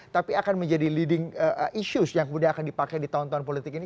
tapi akan menjadi leading issues yang kemudian akan dipakai di tahun tahun politik ini